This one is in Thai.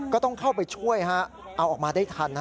ก็ต้องเข้าไปช่วยเอาออกมาได้ทัน